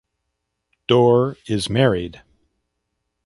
Dorr is married.